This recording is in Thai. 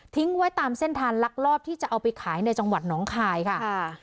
ไว้ตามเส้นทางลักลอบที่จะเอาไปขายในจังหวัดน้องคายค่ะ